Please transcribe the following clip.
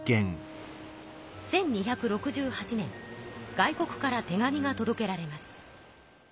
１２６８年外国から手紙がとどけられます。